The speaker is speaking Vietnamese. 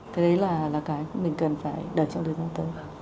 thế đấy là cái mình cần phải đẩy cho đời mong tới